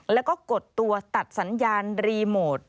แล้วก็กดตัวตัดสัญญาณรีโมท